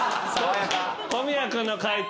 小宮君の解答